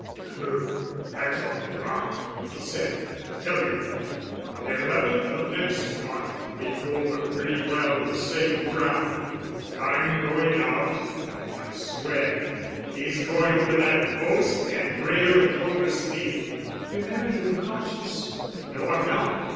"Pooh, that's all rot!" he said. "I tell you what, on the 11th of next month we go over pretty well the same ground; and I'm going out, and I swear he's going over that post and rail in Coulter's field." "You're very incautious." "No, I'm not.